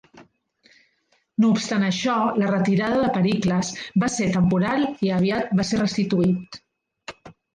No obstant això, la retirada de Pericles va ser temporal i aviat va ser restituït.